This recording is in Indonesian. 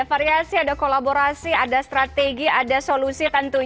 oke ada variasi ada kolaborasi ada strategi ada solusi tentu saja